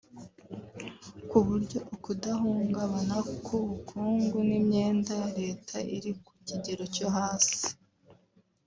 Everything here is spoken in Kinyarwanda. kuburyo ukudahungabana k’ubukungu n’imyenda ya leta iri ku kigero cyo hasi